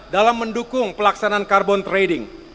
dalam mendukung pelaksanaan carbon trading